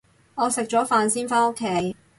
我食咗飯先返屋企